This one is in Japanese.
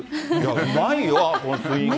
うまいよ、このスイング。